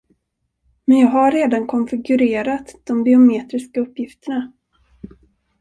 Men jag har redan konfigurerat de biometriska uppgifterna.